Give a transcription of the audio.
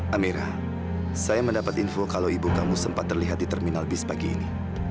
amira saya mendapat info kalau ibu kamu sempat terlihat di terminal bis pagi ini